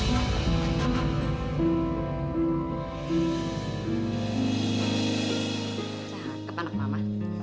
nah kepana ke mama